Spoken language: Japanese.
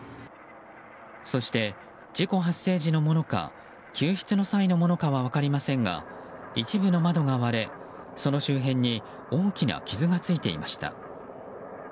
そして事故発生時のものか救出の際のものかは分かりませんが一部の窓が割れ、その周辺に大きな傷がついていました。